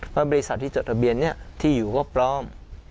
เพราะบริษัทที่จดทะเบียนนี้ที่อยู่ก็ปลอม